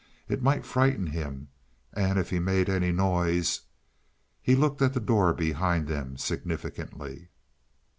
"It might frighten him. And if he made any noise " He looked at the door behind them significantly.